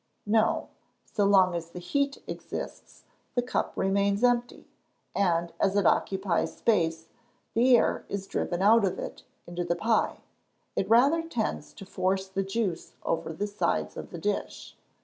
_ No. So long as the heat exists, the cup remains empty; and as it occupies space, the air is driven out of it, into the pie, it rather tends to force the juice over the sides of the dish.